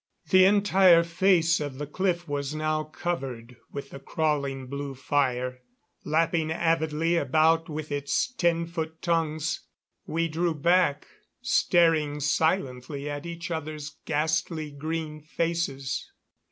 The entire face of the cliff was now covered with the crawling blue fire, lapping avidly about with its ten foot tongues. We drew back, staring silently at each other's ghastly green faces.